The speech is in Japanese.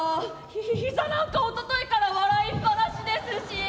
ひひ膝なんかおとといから笑いっぱなしですし。